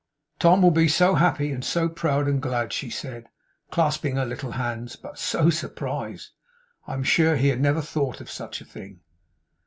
'Tom will be so happy, and so proud, and glad,' she said, clasping her little hands. 'But so surprised! I am sure he had never thought of such a thing.